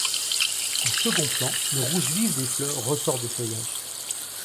En second plan, le rouge vif des fleurs ressort des feuillages.